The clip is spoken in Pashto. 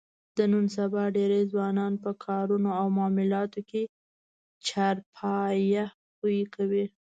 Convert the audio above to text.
د نن سبا ډېری ځوانان په کارونو او معاملاتو کې چارپایه خوی کوي.